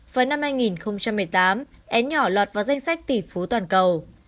vào năm hai nghìn một mươi tám én nhỏ lọt vào danh sách tỷ phú toàn cầu